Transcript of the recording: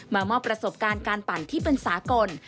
มามอบประสบการณ์การปั่นที่เป็นสากล